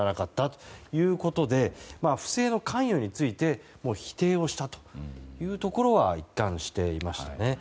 ということで不正の関与について否定をしたというところは一貫していましたね。